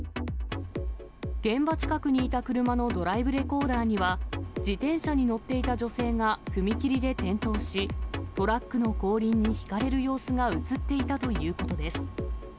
現場近くにいた車のドライブレコーダーには、自転車に乗っていた女性が踏切で転倒し、トラックの後輪にひかれる様子が写っていたということです。